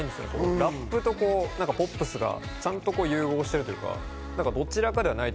ラップとポップスがちゃんと融合してるっていうか、どちらかではない。